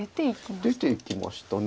出ていきましたね。